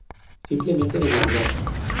Simplemente lo guardó.